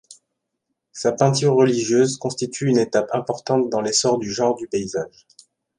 Sa peinture religieuse constitue une étape importante dans l'essor du genre du paysage.